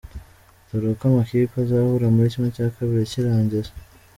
Dore uko amakipe azahura muri ½ cy’irangiza:.